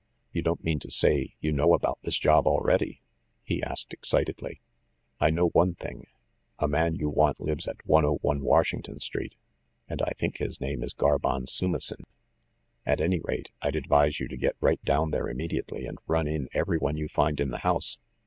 "You don't mean to say you know about this job already?" he asked ex citedly. "I know one thing. A man you want lives at 101 Washington Street, and I think his name is Carbon Soumissin. At any rate, I'd advise you to get right down there immediately and run in every one you find in the house.